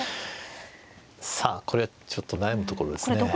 さあこれはちょっと悩むところですね。